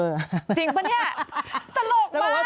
จริงป่ะเนี่ยตลกมาก